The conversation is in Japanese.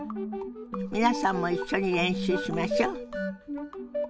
皆さんも一緒に練習しましょ。